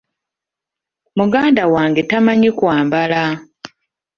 Muganda wange tamanyi kwambala.